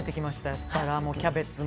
アスパラもキャベツも。